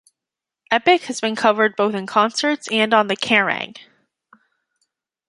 "Epic" has been covered both in concerts and on the "Kerrang!